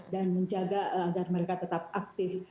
dan menjaga agar mereka tetap aktif